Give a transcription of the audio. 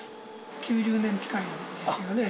９０年近いよね。